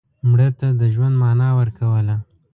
مړه ته د ژوند معنا ورکوله